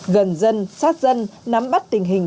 gần dân sát dân nắm bắt tình hình